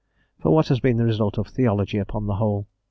For what has been the result of theology upon the whole?